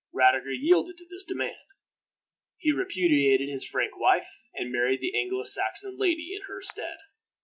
Radiger yielded to this demand; he repudiated his Frank wife, and married the Anglo Saxon lady in her stead.